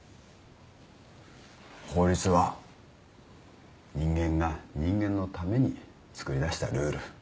法律は人間が人間のためにつくり出したルール。